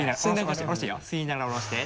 吸いながら下ろして。